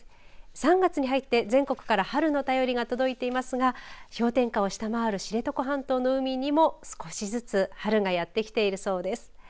３月に入って全国から春の便りが届いていますが氷点下を下回る知床半島の海にも少しずつ春がやってきているそうです。